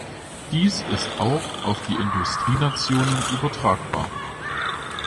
Dies ist auch auf die Industrienationen übertragbar.